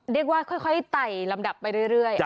เรียกว่าค่อยไต่ลำดับไปเรื่อย